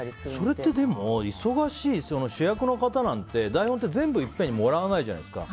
それってでも忙しい主役の方なんて台本って、全部いっぺんにもらわないじゃないですか。